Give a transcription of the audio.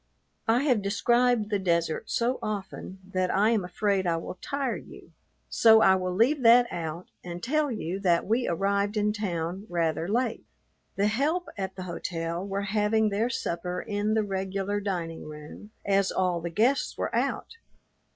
I have described the desert so often that I am afraid I will tire you, so I will leave that out and tell you that we arrived in town rather late. The help at the hotel were having their supper in the regular dining room, as all the guests were out.